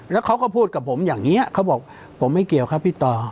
แล้วเขาก็พูดกับผมอย่างนี้เขาบอกผมไม่เกี่ยวครับพี่ต่อ